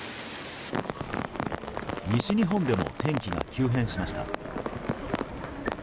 西日本でも天気が急変しました。